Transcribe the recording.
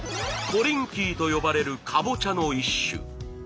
コリンキーと呼ばれるかぼちゃの一種。